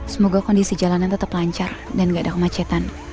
semoga kondisi jalanan tetap lancar dan nggak ada kemacetan